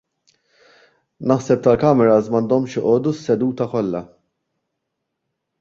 Naħseb tal-cameras m'għandhomx joqogħdu s-seduta kollha.